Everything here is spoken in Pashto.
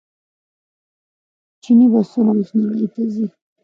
چیني بسونه اوس نړۍ ته ځي.